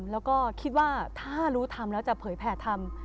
แล้วก็คิดว่าถ้ารู้ธรรมแล้วจะเผยแผลธรรม